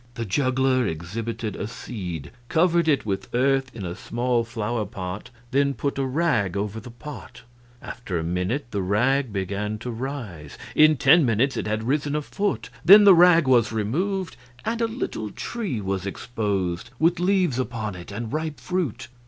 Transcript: The juggler exhibited a seed, covered it with earth in a small flower pot, then put a rag over the pot; after a minute the rag began to rise; in ten minutes it had risen a foot; then the rag was removed and a little tree was exposed, with leaves upon it and ripe fruit.